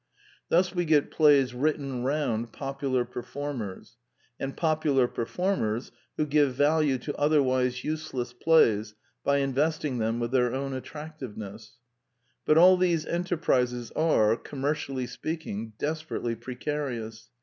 Thus we get plays " written round " popular performers, and popu lar performers who give value to otherwise use less plays by investing them with their own attractiveness. But all these enterprises are, commercially speaking, desperately precarious.